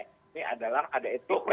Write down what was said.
ini adalah ada etiknya